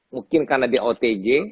mungkin karena di otg